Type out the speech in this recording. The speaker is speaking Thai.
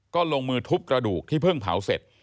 ก็ลงมือทุบกระดูกที่เพิ่งเผาเสร็จ